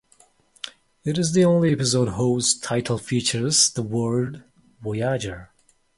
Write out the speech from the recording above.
It is the only episode whose title features the word "Voyager".